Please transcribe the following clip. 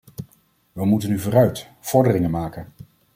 Wij moeten nu vooruit, vorderingen maken.